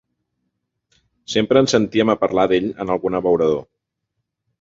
Sempre en sentíem a parlar d'ell en algun abeurador.